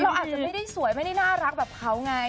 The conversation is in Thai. เราอาจจะไม่ได้สวยไม่ได้น่ารักแบบเขาไง